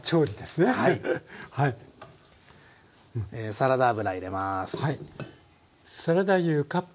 サラダ油入れます。